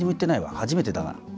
初めてだな。